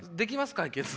解決。